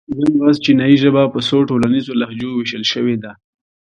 نن ورځ چینایي ژبه په څو ټولنیزو لهجو وېشل شوې ده.